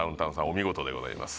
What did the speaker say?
お見事でございます